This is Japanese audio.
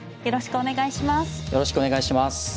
よろしくお願いします。